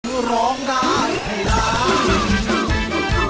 เพื่อร้องได้ให้ร้อง